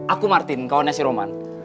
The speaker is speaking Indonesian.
aku martin kawannya si roman